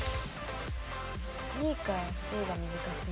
ＢかＣが難しい。